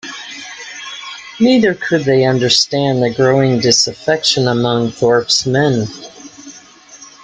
Neither could they understand the growing disaffection among Thorpe's men.